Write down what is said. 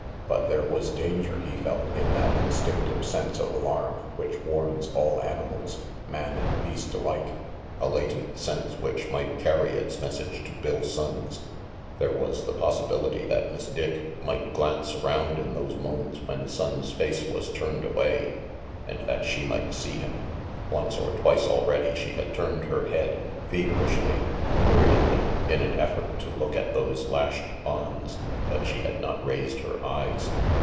But there was danger, he felt, in that instinctive sense of alarm which warns all animals, man and beast alike, a latent sense which might carry its message to Bill Sonnes. There was the possibility that Miss Dick might RANGY PETE glance around in those moments when Sonnes' face was turned away, and that she might see him. Once or twice already she had turned her head, feverishly, hurriedly, in an effort to look at those lashed bonds, but she had not raised her eyes.